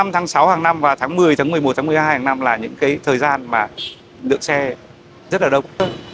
năm tháng sáu hàng năm và tháng một mươi tháng một mươi một tháng một mươi hai hàng năm là những cái thời gian mà lượng xe rất là đông